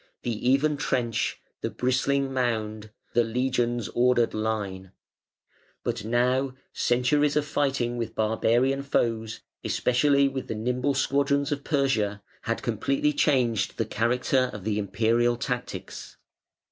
The even trench, the bristling mound, The legion's ordered line" but now, centuries of fighting with barbarian foes, especially with the nimble squadrons of Persia, had completely changed the character of the Imperial tactics.